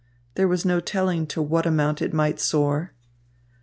There was no telling to what amount it might soar.